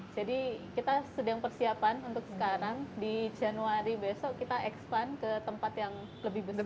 jadi kita sedang persiapan untuk sekarang di januari besok kita ekspan ke tempat yang lebih besar